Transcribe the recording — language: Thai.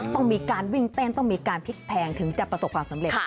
ต้องมีการวิ่งเต้นต้องมีการพลิกแพงถึงจะประสบความสำเร็จ